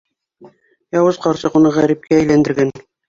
Яуыз ҡарсыҡ уны ғәрипкә әйләндергән!